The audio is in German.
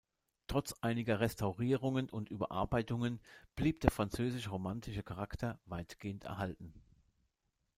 Trotz einiger Restaurierungen und Überarbeitungen blieb der französisch-romantische Charakter weitgehend erhalten.